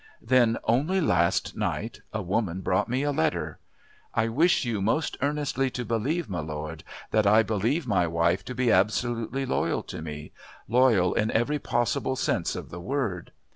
Then, only last night, a woman brought me a letter. I wish you most earnestly to believe, my lord, that I believe my wife to be absolutely loyal to me loyal in every possible sense of the word.